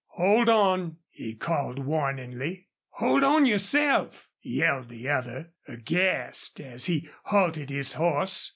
"Hold on!" he called, warningly. "Hold on yerself!" yelled the other, aghast, as he halted his horse.